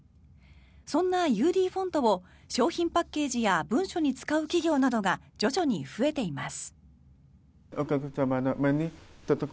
そんなＵＤフォントを商品パッケージや文書に使う企業などが徐々に増えています。